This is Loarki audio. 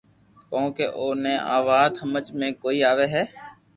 ڪونڪھ اوني آ وات ھمج ۾ ڪوئي آوي ھي